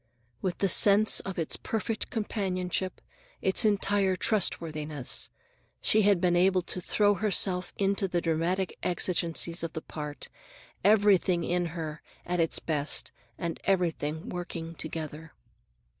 With the sense of its perfect companionship, its entire trustworthiness, she had been able to throw herself into the dramatic exigencies of the part, everything in her at its best and everything working together.